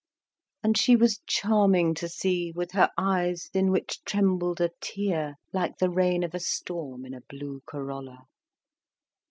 And she was charming to see, with her eyes, in which trembled a tear, like the rain of a storm in a blue corolla.